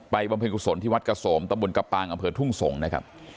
บำเพ็ญกุศลที่วัดเกษมตะบนกระปางอำเภอทุ่งสงศ์นะครับ